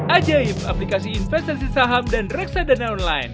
ajaib aplikasi investasi saham dan reksadana online